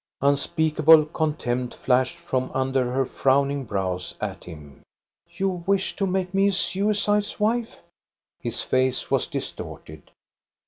Unspeakable contempt flashed from under her frowning brows at him. " You wish to make me a suicide's wife !" His face was distorted.